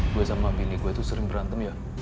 gue sama bini gue tuh sering berantem ya